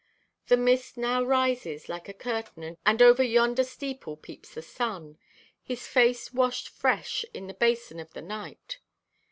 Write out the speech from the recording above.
The mist now rises like a curtain, and over yonder steeple peeps the sun, his face washed fresh in the basin of the night.